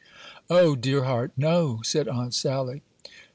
"O, dear heart, no!" said Aunt Sally.